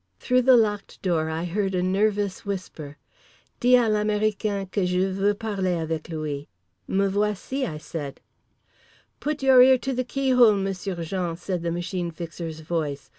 Through the locked door I heard a nervous whisper: "Dis à l'américain que je veux parler avec lui."—"Me voici" I said. "Put your ear to the key hole, M'sieu' Jean," said the Machine Fixer's voice.